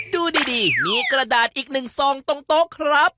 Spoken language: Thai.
ดูดิดิมีกระดาษอีกหนึ่งทรองตกครับ